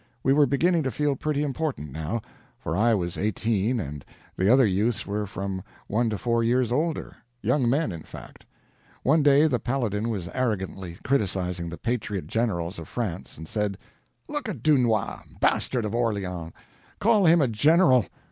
We were beginning to feel pretty important now, for I was eighteen and the other youths were from one to four years older—young men, in fact. One day the Paladin was arrogantly criticizing the patriot generals of France and said: "Look at Dunois, Bastard of Orleans—call him a general!